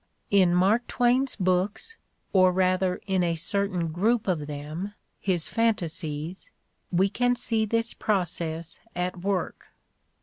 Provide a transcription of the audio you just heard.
In Mark Twain's books, or rather in a certain group of them, his "fan tasies" we can see this process at work.